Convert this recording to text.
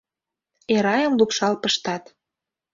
Эрайым лупшал пыштат.